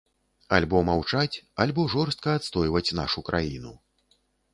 Альбо маўчаць, альбо жорстка адстойваць нашу краіну.